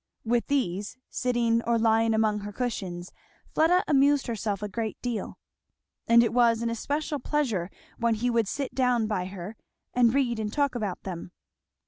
With these, sitting or lying among her cushions, Fleda amused herself a great deal; and it was an especial pleasure when he would sit down by her and read and talk about them.